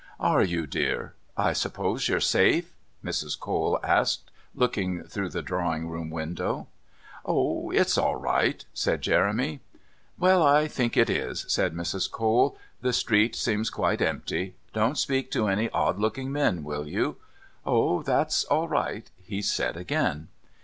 "Are you, dear? I suppose you're safe?" Mrs. Cole asked, looking through the drawing room window. "Oh, it's all right," said Jeremy "Well, I think it is," said Mrs. Cole. "The street seems quite empty. Don't speak to any odd looking men, will you?" "Oh, that's all right," he said again.